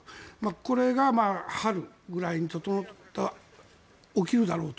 これが春ぐらいに起きるだろうと。